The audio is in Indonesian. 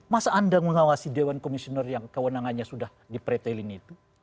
masa anda mengawasi dewan komisioner yang kewenangannya sudah dipretelin itu